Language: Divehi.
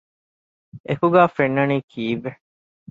އެކުގައި ފެންނަނީ ކީއްވެ؟